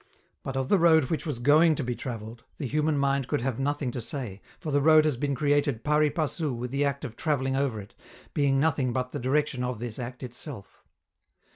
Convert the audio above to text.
But, of the road which was going to be traveled, the human mind could have nothing to say, for the road has been created pari passu with the act of traveling over it, being nothing but the direction of this act itself.